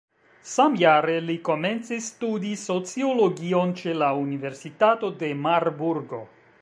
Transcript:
Samjare li komencis studi sociologion ĉe la universitato de Marburgo.